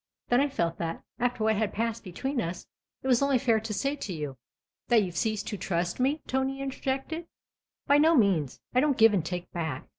Then I felt that, after what had passed between us, it was only fair to say to you "" That you've ceased to trust me ?" Tony inter jected. " By no means. I don't give and take back."